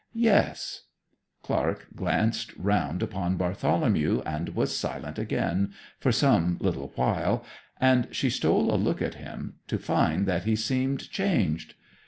'Yes.' Clark glanced round upon Bartholomew and was silent again, for some little while, and she stole a look at him, to find that he seemed changed.